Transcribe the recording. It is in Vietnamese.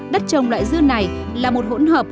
đất trồng loại dưa này là một hỗn hợp